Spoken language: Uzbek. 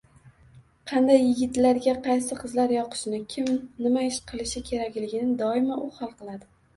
Qanday yigitlarga qaysi qizlar yoqishini, kim nima ish qilishi kerakligini doimo u hal qiladi.